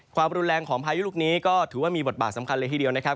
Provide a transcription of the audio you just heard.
ความรุนแรงของพายุลูกนี้ก็ถือว่ามีบทบาทสำคัญเลยทีเดียวนะครับ